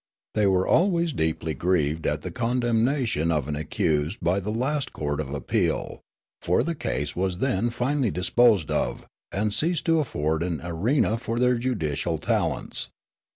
They were always deeply grieved at the condemnation of an accused by the last court of appeal ; for the case was then finally disposed of, and ceased to afford an arena for their judicial talents.